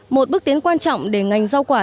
một bước tiến quan trọng để ngành giao quả